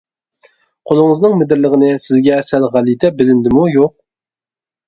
قولىڭىزنىڭ مىدىرلىغىنى سىزگە سەل غەلىتە بىلىندىمۇ يوق!